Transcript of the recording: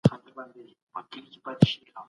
موږ به په نړیوالو بازارونو کي ځای پیدا کړو.